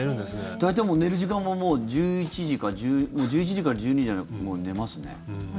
大体寝る時間も１１時から１２時には寝ますね。